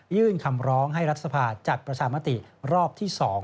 คำร้องให้รัฐสภาจัดประชามติรอบที่๒